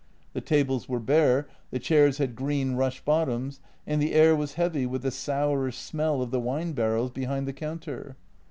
The tables were bare, the chairs had green rush bottoms, and the air was heavy with the sourish smell of the wine barrels be hind the counter.